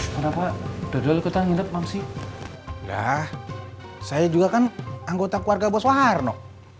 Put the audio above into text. kenapa dodol ke tangan masih ya saya juga kan anggota keluarga bos warno